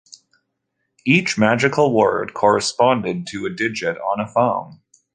Each magical word correspond to a digit on a phone.